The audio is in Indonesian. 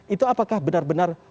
itu apakah benar benar